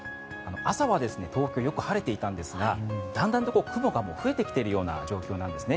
朝は東京よく晴れていたんですがだんだんと雲が増えてきているような状況なんですね。